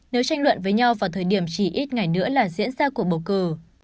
nếu tranh luận với nhau vào thời điểm chỉ ít ngày nữa là diễn ra cuộc bầu cử